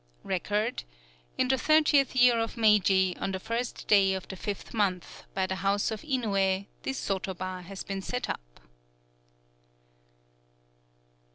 (Record.) _In the thirtieth year of Meiji, on the first day of the fifth month, by the house of Inouyé, this sotoba has been set up.